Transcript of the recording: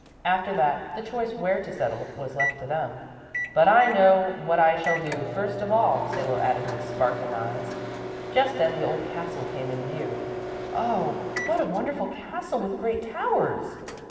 After that the choice where to settle was left to them. "But I know what I shall do first of all," Salo added with sparkling eyes. Just then the old castle came in view. "Oh, what a wonderful castle with great towers!"